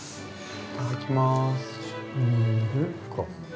いただきます。